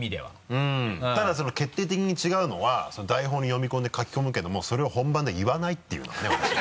うんただ決定的に違うのは台本を読み込んで書き込むけどもそれを本番で言わないっていうのがね私。